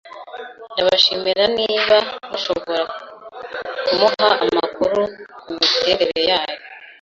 Ndabashimira niba mushobora kumuha amakuru kumiterere yaho.